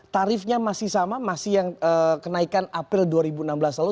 tarifnya masih sama masih yang kenaikan april dua ribu enam belas lalu